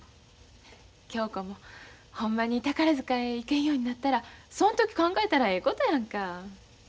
恭子もほんまに宝塚へ行けんようになったらそん時考えたらええことやんか。